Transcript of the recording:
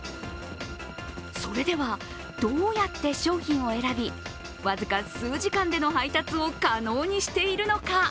それでは、どうやって商品を選び僅か数時間での配達を可能にしているのか。